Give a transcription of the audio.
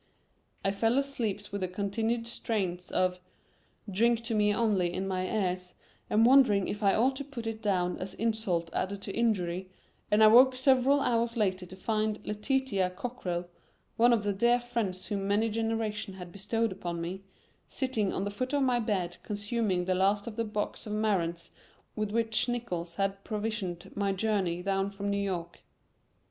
I fell asleep with the continued strains of "Drink to me only" in my ears, and wondering if I ought to put it down as insult added to injury, and I awoke several hours later to find Letitia Cockrell, one of the dear friends whom many generations had bestowed upon me, sitting on the foot of my bed consuming the last of the box of marrons with which Nickols had provisioned my journey down from New York.